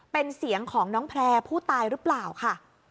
เป็นเสียงของน้องแพร่ผู้ตายหรือเปล่าค่ะ